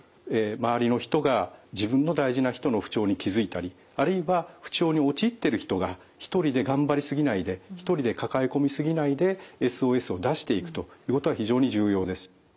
周りの人が自分の大事な人の不調に気付いたりあるいは不調に陥ってる人が一人で頑張り過ぎないで一人で抱え込み過ぎないでＳＯＳを出していくということが非常に重要です。